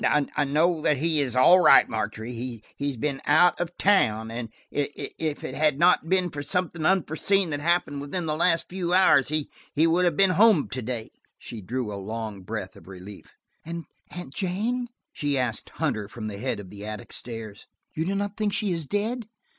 "I know that he is all right, Margery. He has been–out of town. If it had not been for something unforeseen that–happened within the last few hours, he would have been home to day." She drew a long breath of relief. "And Aunt Jane?" she asked Hunter, from the head of the attic stairs, "you do not think she is dead?"